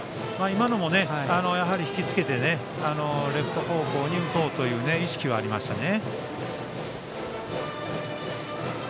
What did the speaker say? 今のも引き付けてレフト方向へ打とうという意識はありましたね。